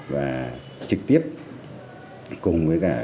và trực tiếp cùng với các cấp lãnh đạo